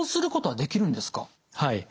はい。